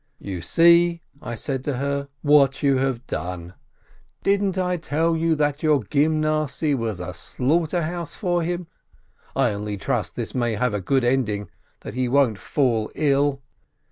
"You see," I said to her, "what you've done! Didn't I tell you that your Gymnasiye was a slaughter house for him? I only trust this may have a good ending, that he won't fall ill."